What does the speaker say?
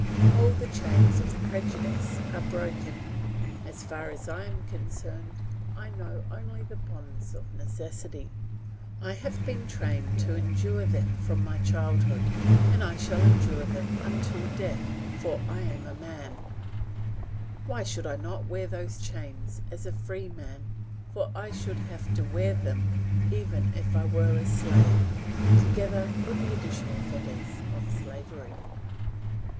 All the chains of prejudice are broken; as far as I am concerned I know only the bonds of necessity. I have been trained to endure them from my childhood, and I shall endure them until death, for I am a man; and why should I not wear those chains as a free man, for I should have to wear them even if I were a slave, together with the additional fetters of slavery?